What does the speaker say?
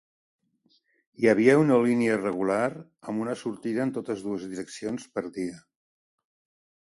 Hi havia una línia regular, amb una sortida en totes dues direccions per dia.